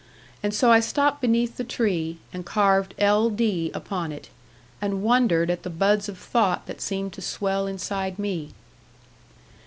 And so I stopped beneath the tree, and carved L.D. upon it, and wondered at the buds of thought that seemed to swell inside me.